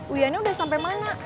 uiannya udah sampe mana